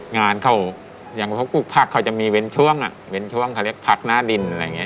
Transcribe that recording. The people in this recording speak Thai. งานเขาอย่างพวกพักเขาจะมีเว้นช่วงเว้นช่วงเขาเรียกพักหน้าดินอะไรอย่างนี้